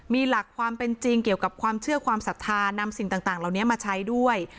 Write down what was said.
มีหลักความเป็นจริงเกี่ยวกับความเชื่อความศรัทธานำสิ่งต่างเหล่านี้มาใช้ด้วย